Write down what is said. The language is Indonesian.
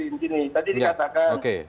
begini tadi dikatakan